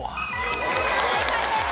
正解です。